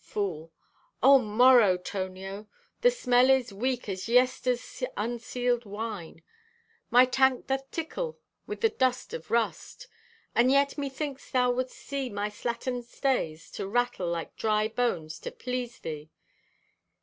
(Fool) "Oh, morrow, Tonio. The smell is weak as yester's unsealed wine. My tank doth tickle with the dust of rust, and yet methinks thou would'st see my slattern stays to rattle like dry bones, to please thee.